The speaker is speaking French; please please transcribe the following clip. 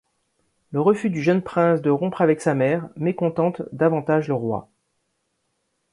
Le refus du jeune prince de rompre avec sa mère mécontente davantage le roi.